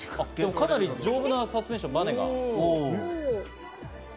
かなり丈夫なサスペンション。